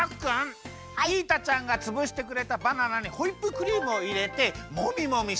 イータちゃんがつぶしてくれたバナナにホイップクリームをいれてもみもみしてください。